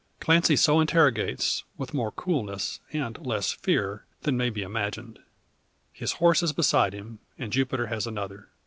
Clancy so interrogates, with more coolness, and less fear, than may be imagined. His horse is beside him, and Jupiter has another.